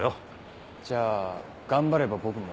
じゃあ頑張れば僕も。